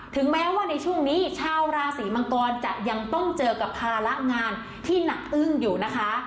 ถึงแม้ว่าในช่วงนี้ชาวราศีมังกรจะยังต้องเจอกับภาระงานที่หนักอึ้งอยู่นะคะ